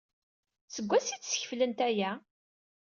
Seg wansi ay d-skeflent aya?